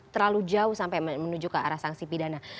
terlalu jauh sampai menuju ke arah sanksi pidana